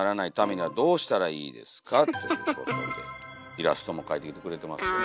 イラストも描いてきてくれてますよ。